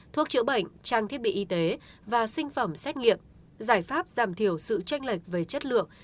thuốc chữa bệnh trang thiết bị y tế và sinh phẩm xét nghiệm giải pháp giảm thiểu sự tranh lệch về chất lượng